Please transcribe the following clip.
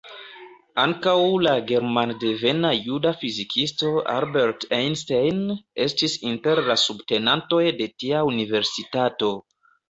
Ankaŭ la germandevena juda fizikisto Albert Einstein estis inter la subtenantoj de tia universitato.